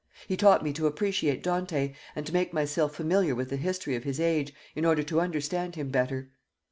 He taught me to appreciate Dante, and to make myself familiar with the history of his age, in order to understand him better."